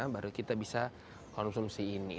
baru kita bisa konsumsi